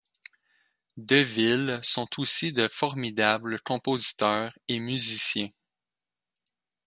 DeVille sont aussi de formidables compositeurs et musiciens.